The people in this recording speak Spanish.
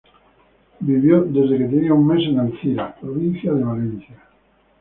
Vivió desde que tenía un mes, en Alcira, provincia de Valencia.